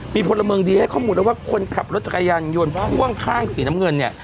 มีพลเมิงได้ให้ข้อมูลด้วยว่าคนขับรถทรัพยายามยนต์พ่วงข้างสีน้ำเงิน